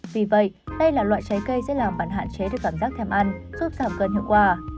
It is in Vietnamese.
vì vậy đây là loại trái cây sẽ làm bạn hạn chế được cảm giác thêm ăn giúp giảm cân hiệu quả